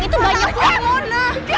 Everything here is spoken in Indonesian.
itu banyak punggung